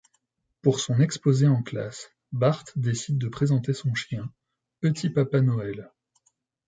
Pour son exposé en classe, Bart décide de présenter son chien, Petit Papa Noël.